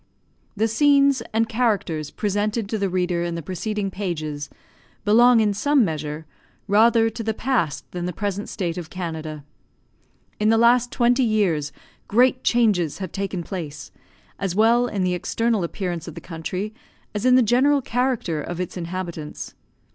The scenes and characters presented to the reader in the preceding pages, belong, in some measure, rather to the past than the present state of Canada. In the last twenty years great changes have taken place, as well in the external appearance of the country, as in the general character of its inhabitants.